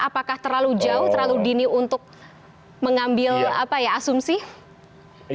apakah terlalu jauh terlalu dini untuk mengambil asumsi